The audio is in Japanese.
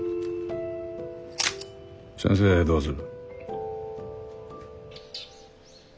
先生どうする？